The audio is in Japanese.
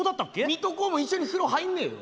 水戸黄門一緒に風呂入んねえよ。